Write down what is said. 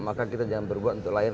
maka kita jangan berbuat untuk lain